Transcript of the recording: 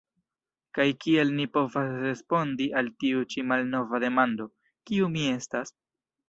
Kaj kiel ni povas respondi al tiu ĉi malnova demando: Kiu mi estas?